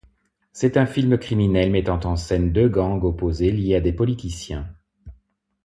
C'est un film criminel mettant en scène deux gangs opposés liés à des politiciens.